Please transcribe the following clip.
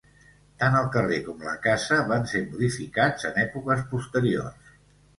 Tant el carrer com la casa van ser modificats en èpoques posteriors.